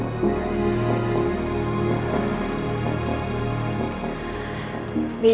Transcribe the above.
saya mau berbicara dengan anda